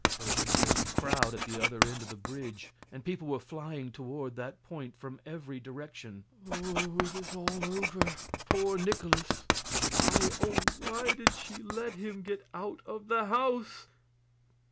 There was a great crowd at the other end of the bridge, and people were flying toward that point from every direction. "Oh, it is all over poor Nikolaus! Why, oh, why did she let him get out of the house!"